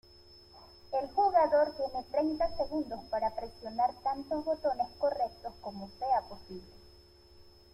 El jugador tiene treinta segundos para presionar tantos botones correctos como sea posible.